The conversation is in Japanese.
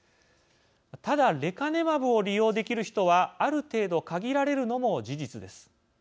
ただレカネマブを利用できる人はある程度、限られるのも事実です。